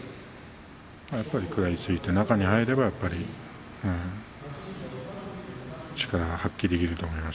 食らいついて中に入れば力を発揮できると思います。